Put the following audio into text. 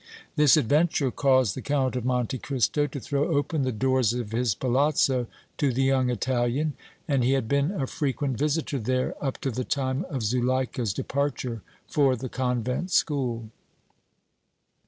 This adventure caused the Count of Monte Cristo to throw open the doors of his palazzo to the young Italian, and he had been a frequent visitor there up to the time of Zuleika's departure for the convent school.